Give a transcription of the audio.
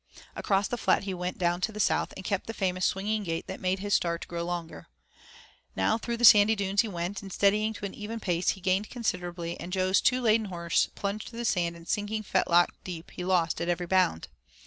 Across the flat he went down to the south, and kept the famous swinging gait that made his start grow longer. Now through the sandy dunes he went, and steadying to an even pace he gained considerably and Jo's too laden horse plunged through the sand and sinking fetlock deep, he lost at every bound.